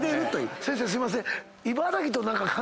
先生すいません。